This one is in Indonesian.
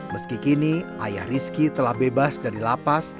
meski kini ayah rizky telah bebas dari lapas